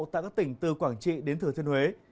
tại các tỉnh từ quảng trị đến thừa thiên huế